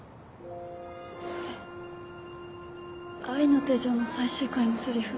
それ『愛の手錠』の最終回のセリフ。